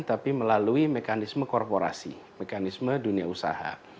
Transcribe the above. tapi melalui mekanisme korporasi mekanisme dunia usaha